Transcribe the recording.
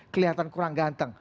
kelihatan kurang ganteng